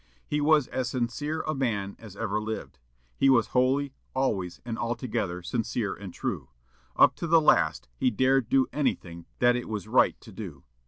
He was as sincere a man as ever lived. He was wholly, always, and altogether sincere and true. Up to the last he dared do anything that it was right to do.